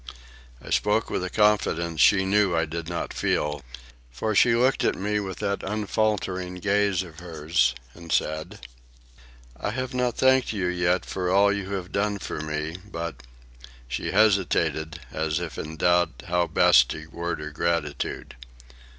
I spoke with a confidence she knew I did not feel, for she looked at me with that unfaltering gaze of hers and said: "I have not thanked you yet for all you have done for me but—" She hesitated, as if in doubt how best to word her gratitude.